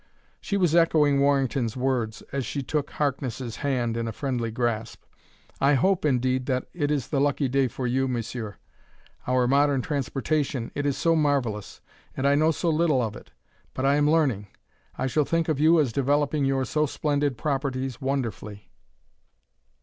She was echoing Warrington's words as she took Harkness' hand in a friendly grasp. "I hope, indeed, that it is the lucky day for you, Monsieur. Our modern transportation it is so marvelous, and I know so little of it. But I am learning. I shall think of you as developing your so splendid properties wonderfully."